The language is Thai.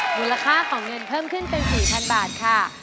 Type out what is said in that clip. มูลค่าของเงินเพิ่มขึ้นเป็น๔๐๐๐บาทค่ะ